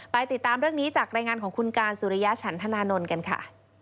ติดตามเรื่องนี้จากรายงานของคุณการสุริยฉันธนานนท์กันค่ะ